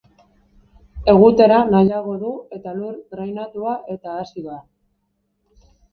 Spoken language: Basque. Egutera nahiago du eta lur drainatua eta azidoa.